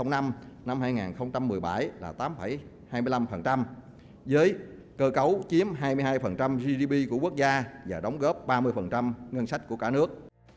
năm hai nghìn một mươi bảy là tám hai mươi năm với cơ cấu chiếm hai mươi hai gdp của quốc gia và đóng góp ba mươi ngân sách của cả nước